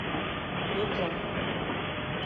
Йоҡла...